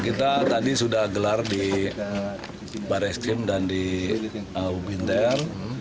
kita tadi sudah gelar di barreskrim dan di ubinter